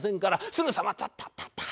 すぐさまタッタッタッタッ！